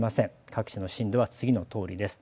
各地の震度は次のとおりです。